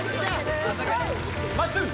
まっすー！